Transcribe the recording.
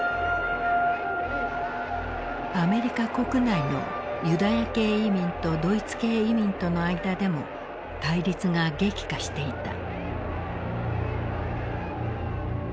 アメリカ国内のユダヤ系移民とドイツ系移民との間でも対立が激化していた。